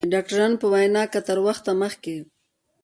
د ډاکترانو په وینا که تر وخته مخکې